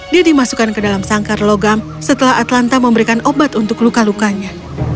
dia dimasukkan ke dalam sangkar logam setelah atlanta memberikan obat untuk luka lukanya